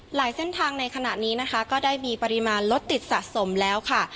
เส้นทางในขณะนี้นะคะก็ได้มีปริมาณรถติดสะสมแล้วค่ะ